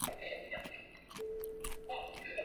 里见氏家臣。